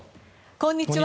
こんにちは。